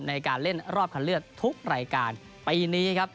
ในการเล่นรอบคันเลือกทุกรายการปีนี้ครับ